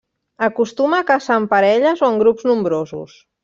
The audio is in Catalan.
Acostuma a caçar en parelles o en grups nombrosos.